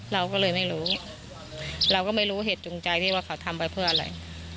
เราก็เลยไม่รู้เราก็ไม่รู้เหตุจูงใจพี่ว่าเขาทำไปเพื่ออะไร